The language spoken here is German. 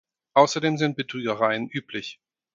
Außerdem sind Betrügereien üblich.